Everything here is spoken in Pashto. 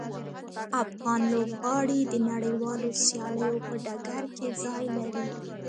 افغان لوبغاړي د نړیوالو سیالیو په ډګر کې ځای لري.